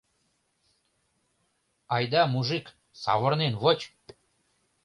Айда, мужик, савырнен воч.